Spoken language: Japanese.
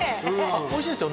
おいしいですよ